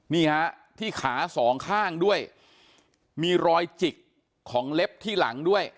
นี่ฮะที่ขาสองข้างด้วยมีรอยจิกของเล็บที่หลังด้วย